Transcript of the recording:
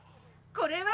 これは。